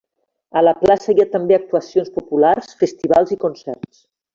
A la plaça hi ha també actuacions populars, festivals i concerts.